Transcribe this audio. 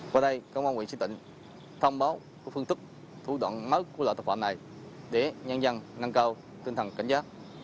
vào đây công an huyện sơn tịnh thông báo